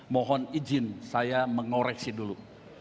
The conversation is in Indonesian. mohon izin saya mengoreksi dulu